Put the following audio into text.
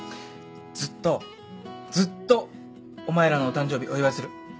ずっとずっとお前らのお誕生日お祝いする。